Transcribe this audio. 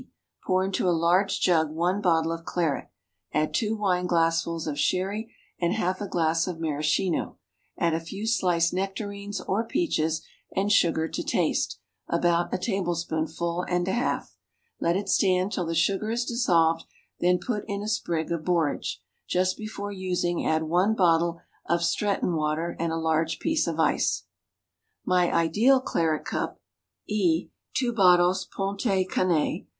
_ Pour into a large jug one bottle of claret, add two wine glassfuls of sherry, and half a glass of maraschino. Add a few sliced nectarines, or peaches, and sugar to taste (about a tablespoonful and a half). Let it stand till the sugar is dissolved, then put in a sprig of borage. Just before using add one bottle of Stretton water, and a large piece of ice. My ideal claret cup: E. 2 bottles Pontet Canet.